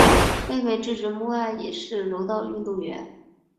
妹妹志志目爱也是柔道运动员。